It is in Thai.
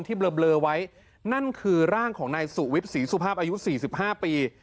เบลอไว้นั่นคือร่างของนายสุวิทย์ศรีสุภาพอายุ๔๕ปี